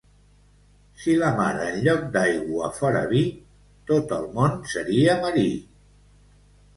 Si la mar en lloc d'aigua fora vi... tot el món seria marí.